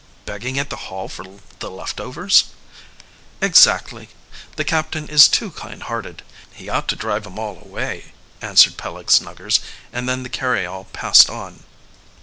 "Begging at the Hall for the left overs?" "Exactly. The captain is too kind hearted. He ought to drive 'em all away," answered Peleg Snuggers; and then the carryall passed on.